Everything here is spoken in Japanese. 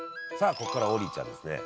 ここから王林ちゃんですね